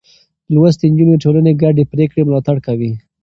لوستې نجونې د ټولنې ګډې پرېکړې ملاتړ کوي.